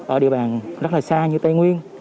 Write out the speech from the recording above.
ở địa bàn rất là xa như tây nguyên